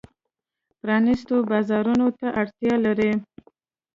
پرانیستو بازارونو ته اړتیا لري.